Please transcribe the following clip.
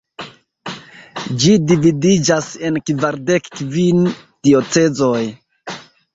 Ĝi dividiĝas en kvardek kvin diocezoj.